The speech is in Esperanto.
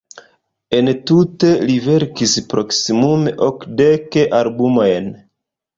Entute li verkis proksimume okdek albumojn.